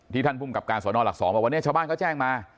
ที่ท่านภูมิกับการสอนอลหลัก๒ว่าวันนี้ชาวบ้านก็แจ้งมา